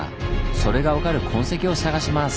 それが分かる痕跡を探します！